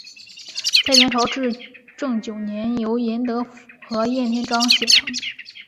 在元朝至正九年由严德甫和晏天章写成。